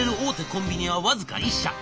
コンビニは僅か１社。